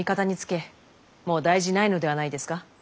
もう大事ないのではないですか？